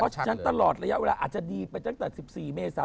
ฉะนั้นตลอดระยะเวลาอาจจะดีไปตั้งแต่๑๔เมษา